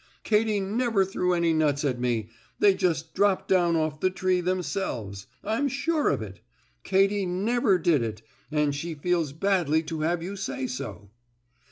Katy never threw any nuts at me they just dropped down off the tree themselves. I'm sure of it. Katy never did it, and she feels badly to have you say so."